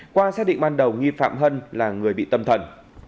qua xác định ban đầu nghi phạm hân là người bị tâm thần